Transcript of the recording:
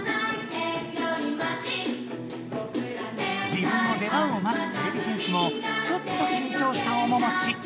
自分の出番をまつてれび戦士もちょっときんちょうしたおももち。